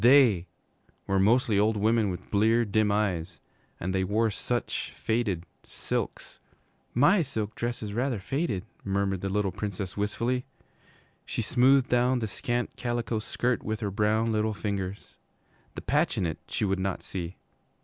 They were mostly old women with bleared, dim eyes, and they wore such faded silks. 'My silk dress is rather faded,' murmured the little Princess wistfully. She smoothed down the scant calico skirt with her brown little fingers. The patch in it she would not see.